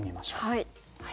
はい。